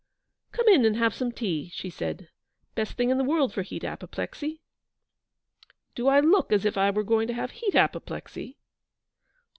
'Come in and have some tea,' she said. 'Best thing in the world for heat apoplexy.' 'Do I look as if I were going to have heat apoplexy?'